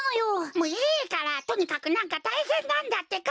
もういいからとにかくなんかたいへんなんだってか！